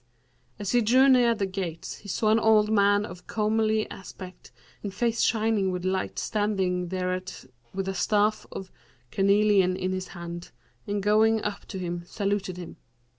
As he drew near the gates he saw an old man of comely aspect and face shining with light standing thereat with a staff of carnelian in his hand, and going up to him, saluted him.